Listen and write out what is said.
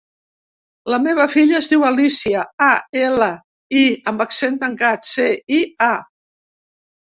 La meva filla es diu Alícia: a, ela, i amb accent tancat, ce, i, a.